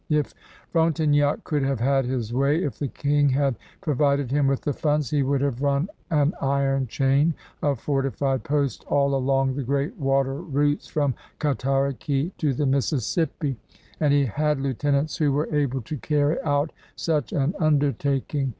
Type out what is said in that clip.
If Frontenac could have had his way, if the King had provided him with the funds, he would have run an iron chain of fortified posts all along the great water routes from Cataraqui to the Mississippi — and he had lieutenants who were able to carry out such an undertaking.